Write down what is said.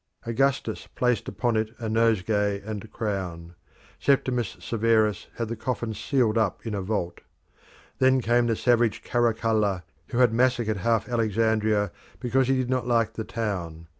Augustus placed upon it a nosegay and crown. Septimus Severus had the coffin sealed up in a vault. Then came the savage Caracalla, who had massacred half Alexandria because he did not like the town.